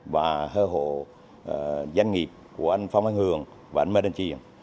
và hợp hộ doanh nghiệp của anh phạm văn hường và anh mai đình truyền